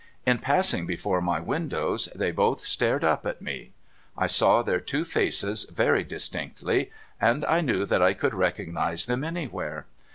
In passing before my windows, they both stared up at me. I saw their two faces very distinctly, and I knew that I could recognise them anywhere.